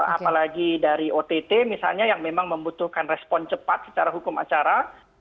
apalagi dari ott misalnya yang memang membutuhkan respon cepat secara hukum acara